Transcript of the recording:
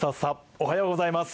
おはようございます。